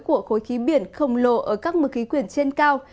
của khối khí biển khổng lồ ở các mực khí quyển trên cao